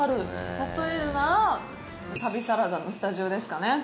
例えるなら旅サラダのスタジオですかね。